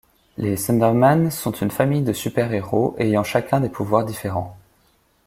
Les Thunderman sont une famille de super-héros ayant chacun des pouvoirs différents.